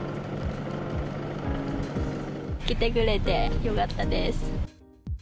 来てくれてよかったです。